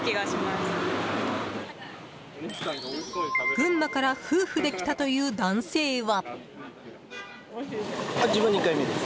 群馬から夫婦で来たという男性は。